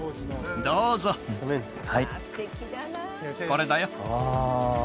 どうぞはいこれだよああ